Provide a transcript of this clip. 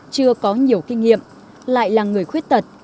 chưa có nhiều kinh nghiệm lại là người khuyết tật